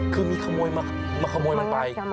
คือมีขโมยมาขโมยมันไป